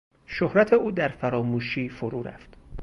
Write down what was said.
شهرت او در فراموشی فرو رفت.